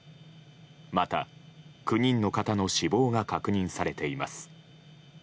また９人の方の死亡が確認されています。